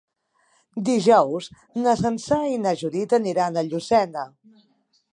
Dijous na Sança i na Judit aniran a Llucena.